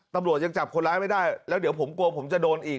ตำรวจยังจับคนร้ายไม่ได้แล้วเดี๋ยวผมกลัวผมจะโดนอีก